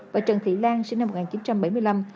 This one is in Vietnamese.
và trần thị lan sinh năm một nghìn chín trăm bảy mươi năm